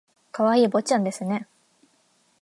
可愛い坊ちゃんですね